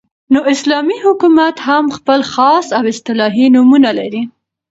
، نو اسلامي حكومت هم خپل خاص او اصطلاحي نومونه لري